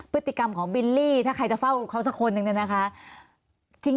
ปฏิกรรมของบิลลี่ถ้าใครจะเฝ้าเขาสักคนหนึ่ง